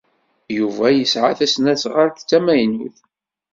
Yuba yesɛa tasnasɣalt d tamaynut.